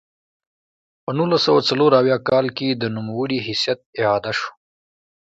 په نولس سوه څلور اویا کال کې د نوموړي حیثیت اعاده شو.